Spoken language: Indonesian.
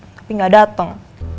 tapi gak dateng